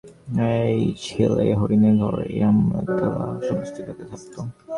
এই ঝিল, এই হরিণের ঘর, এই আমড়াতলা, সমস্তই তাতে থাকত।